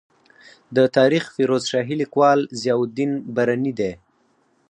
د تاریخ فیروز شاهي لیکوال ضیا الدین برني دی.